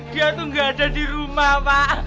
dia tuh nggak ada di rumah pak